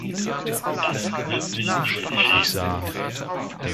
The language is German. Das wird nicht wieder geschehen.